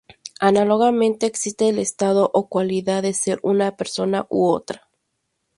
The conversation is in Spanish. Análogamente, existe el estado o cualidad de ser una persona u otra.